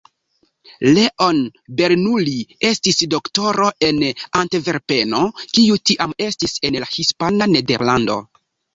Leon Bernoulli estis doktoro en Antverpeno, kiu tiam estis en la Hispana Nederlando.